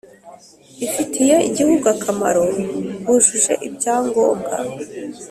ifitiye igihugu akamaro bujuje ibyangombwa